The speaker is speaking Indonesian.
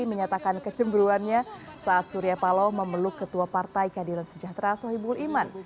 menyatakan kecemburuannya saat surya paloh memeluk ketua partai keadilan sejahtera sohibul iman